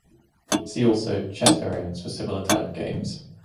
See also chess variants for similar type games.